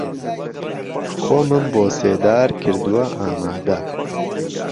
خۆمم بۆ سێدار کردووه ئاماده